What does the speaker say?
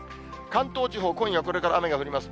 関東地方、今夜これから雨が降ります。